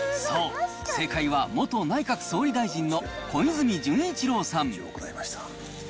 そう、正解は元内閣総理大臣の小泉純一郎さん。